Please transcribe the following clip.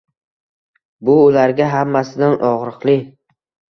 Bu ularga hammasidan og‘riqli.